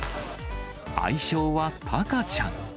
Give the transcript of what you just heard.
愛称はタカちゃん。